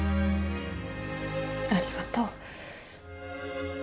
ありがとう。